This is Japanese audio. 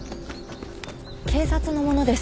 警察の者です。